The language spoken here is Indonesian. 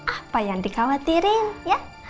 apa yang dikhawatirin ya